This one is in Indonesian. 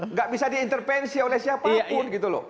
nggak bisa diintervensi oleh siapa pun